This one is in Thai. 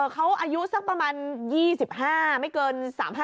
เขาอายุสักประมาณ๒๕ไม่เกิน๓๕